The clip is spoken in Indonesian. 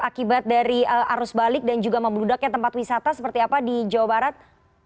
akibat dari arus balik dan juga membludaknya tempat wisata seperti apa di jawa barat